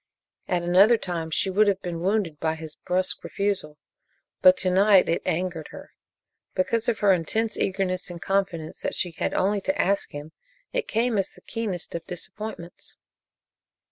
At another time she would have been wounded by his brusque refusal, but to night it angered her. Because of her intense eagerness and confidence that she had only to ask him, it came as the keenest of disappointments.